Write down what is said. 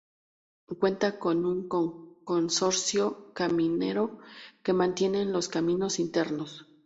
Cuenta con un consorcio caminero que mantiene los caminos internos.